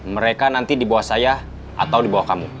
mereka nanti dibawa saya atau dibawa kamu